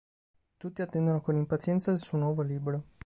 Tutti attendono con impazienza il suo nuovo libro.